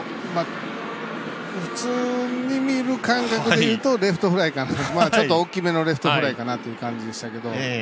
普通に見る感覚でいうとレフトフライか、ちょっと大きめのレフトフライかなという感じでしたけど。